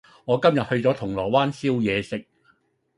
我今日去咗銅鑼灣燒嘢食